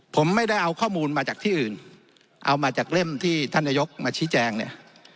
ผมไม่ได้เอาข้อมูลมาจากที่อื่นเอามาจากเล่มที่ท่านนายกมาชี้แจงเนี่ย